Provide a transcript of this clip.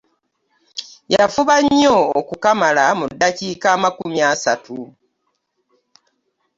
Yafuba nnyo okukamala mu ddakiika amakumi asatu .